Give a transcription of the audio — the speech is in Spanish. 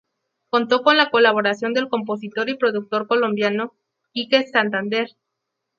Contó con la colaboración del compositor y productor colombiano Kike Santander.